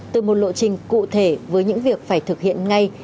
từ một lộ trình cụ thể với những việc phải thực hiện ngay